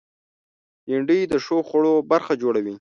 بېنډۍ د ښو خوړو برخه جوړوي